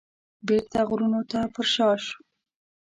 بیرته غرونو ته پرشاته شو.